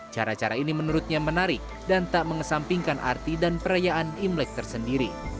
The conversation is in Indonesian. cara cara ini menurutnya menarik dan tak mengesampingkan arti dan perayaan imlek tersendiri